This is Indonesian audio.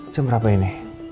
jam berapa ini